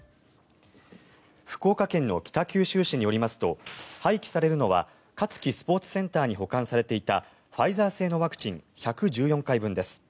福岡県の北九州市によりますと廃棄されるのは香月スポーツセンターに保管されていたファイザー製のワクチン１１４回分です。